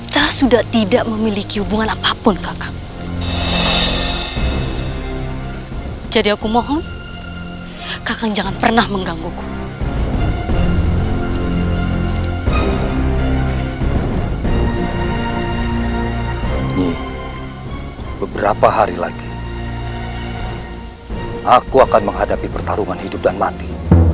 jadi kakak tidak perlu berharap dengan hati yang sudah mati